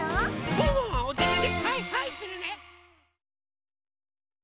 ワンワンはおててではいはいするね！